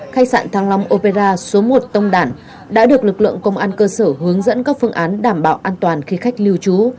khách sạn thăng long opera số một tông đản đã được lực lượng công an cơ sở hướng dẫn các phương án đảm bảo an toàn khi khách lưu trú